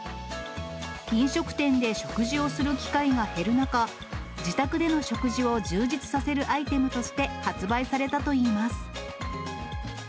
飲食店で食事をする機会が減る中、自宅での食事を充実させるアイテムとして発売されたといいます。